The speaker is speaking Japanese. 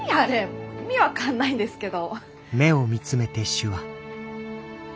もう意味分かんないんですけど。